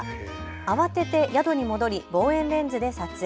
慌てて宿に戻り望遠レンズで撮影。